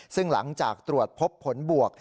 ซึ่งหลังจากตรวจพบผลบวก